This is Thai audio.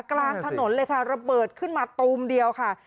กลางถนนเลยค่ะระเบิดขึ้นมาตูมเดียวค่ะ